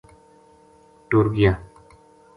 ٹُر گیا